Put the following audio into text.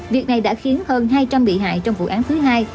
việc này đã khiến hơn hai trăm linh bị hại trong vụ án thứ hai